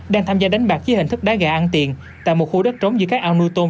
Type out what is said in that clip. đang tham gia đánh bạc dưới hình thức đá gà ăn tiền tại một khu đất trống giữa các ao nuôi tôm